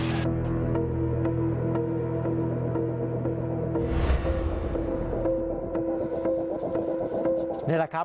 สวัสดีครับ